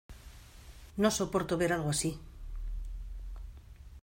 No soporto ver algo así